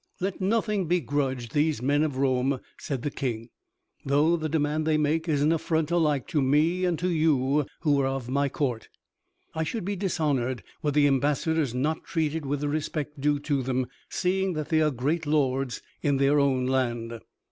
"Let nothing be grudged these men of Rome," said the King "though the demand they make is an affront alike to me and to you who are of my court. I should be dishonored were the ambassadors not treated with the respect due to them, seeing that they are great lords in their own land."